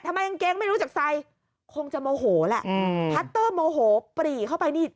กางเกงไม่รู้จักใส่คงจะโมโหแหละอืมพัตเตอร์โมโหปรีเข้าไปนี่